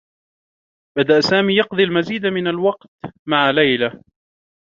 بدأ سامي يقضي المزيد من الوقت مع ليلى.